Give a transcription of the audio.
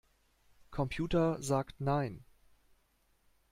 Computer sagt nein.